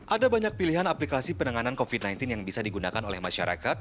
ada banyak pilihan aplikasi penanganan covid sembilan belas yang bisa digunakan oleh masyarakat